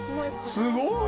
すごい。